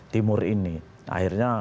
timur ini akhirnya